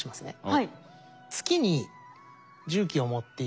はい。